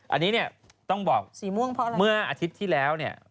อันนี้เนี่ยต้องบอกเมื่ออาทิตย์ที่แล้วเนี่ย